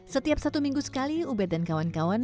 setiap satu minggu sekali uber dan kawan kawan